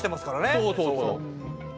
そうそうそう。